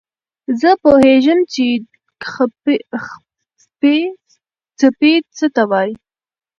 زه پوهېږم چې څپې څه ته وايي.